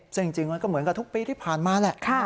ซึ่งจริงมันก็เหมือนกับทุกปีที่ผ่านมาแหละ